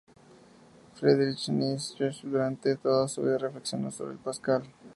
Friedrich Nietzsche durante toda su vida reflexionó sobre Pascal.